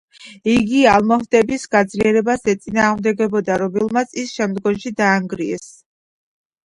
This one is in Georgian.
იგი ალმოჰადების გაძლიერებას ეწინააღმდეგებოდა, რომლებმაც ის შემდგომში დაანგრიეს.